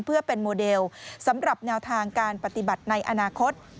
เพื่อเป็นโมเดลสำหรับแนวทางการปฏิบัติในอนาคต